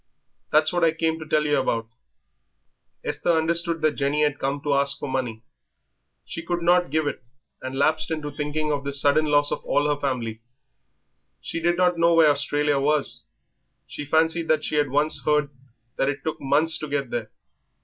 That's what I came to tell yer about." Esther understood that Jenny had come to ask for money. She could not give it, and lapsed into thinking of this sudden loss of all her family. She did not know where Australia was; she fancied that she had once heard that it took months to get there.